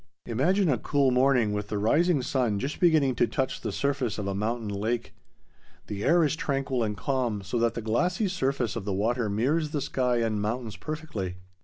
Imagine a cool morning with the rising sun just beginning to touch the surface of a mountain lake. The air is tranquil and calm so that the glassy surface of the water mirrors the sky and mountains perfectly.